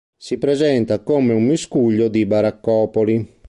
Si presenta come un miscuglio di baraccopoli.